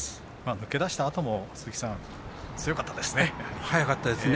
抜け出したあとも強かったですね。